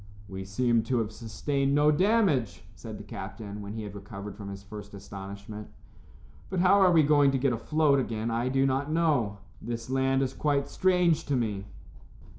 "We seem to have sustained no damage," said the captain, when he had recovered from his first astonishment, "but how we are going to get afloat again I do not know. This land is quite strange to me."